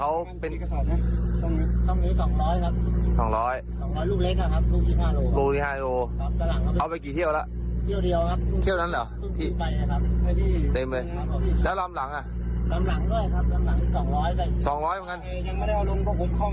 ลำหลังด้วยครับลำหลัง๒๐๐กิโลกรัมยังไม่ได้เอาลุงบุคคลเข้ามาก่อนครับ